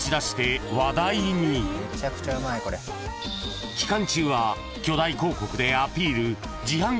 ［期間中は巨大広告でアピール］